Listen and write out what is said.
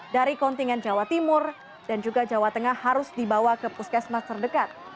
dari kontingen jawa timur dan juga jawa tengah harus dibawa ke puskesmas terdekat